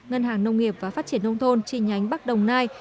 ngân hàng nông nghiệp và phát triển nông thôn chi nhánh bắc đồng nai